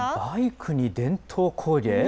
バイクに伝統工芸？